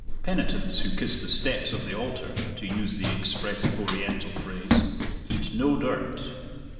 Penitents who kissed the steps of the altar (to use the expressive Oriental phrase), "eat no dirt."